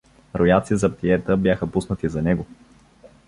Рояци заптиета бяха пуснати за него.